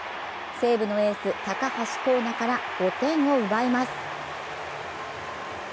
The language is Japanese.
西武のエース・高橋光成から５点を奪います。